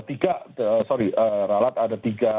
tiga sorry ralat ada tiga